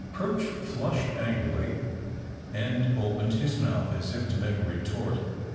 Perch flushed angrily and opened his mouth as if to make a retort.